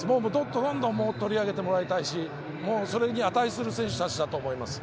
どんどん取り上げてもらいたいし、それに値する選手たちだと思います。